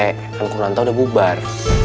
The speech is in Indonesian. kan kurnanta udah bubar